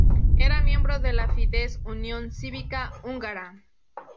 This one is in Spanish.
Era miembro de la Fidesz-Unión Cívica Húngara.